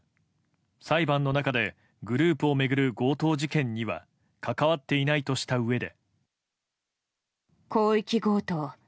裁判の中でグループを巡る強盗事件には関わっていないとしたうえで。